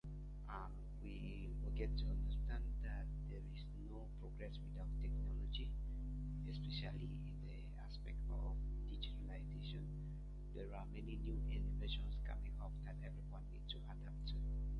He died a year later, and was interred at Raleigh Memorial Park in Raleigh.